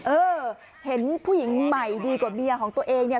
เออเห็นผู้หญิงใหม่ดีกว่าเมียของตัวเองเนี่ย